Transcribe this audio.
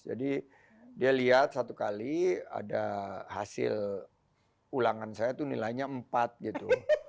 jadi dia lihat satu kali ada hasil ulangan saya itu nilainya empat gitu